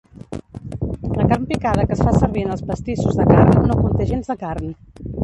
La carn picada que es fa servir en els pastissos de carn no conté gens de carn.